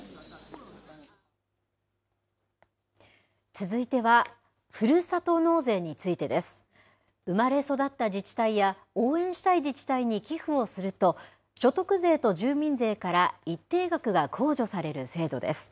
続いては、ふるさと納税についてです。生まれ育った自治体や応援したい自治体に寄付をすると、所得税と住民税から一定額が控除される制度です。